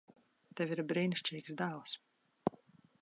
Tev ir brīnišķīgs dēls.